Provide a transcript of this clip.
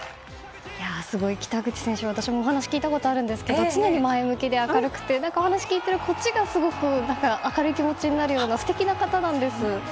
北口選手には、私もお話を聞いたことあるんですが常に前向きで明るくてお話を聞くこっちがすごく明るい気持ちになるような素敵な方なんです。